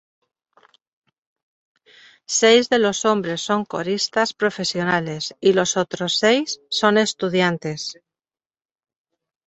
Seis de los hombres son coristas profesionales, y los otros seis son estudiantes.